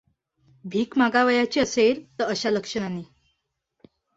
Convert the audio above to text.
भीक मागावयाची असेल अशा लक्षणानी!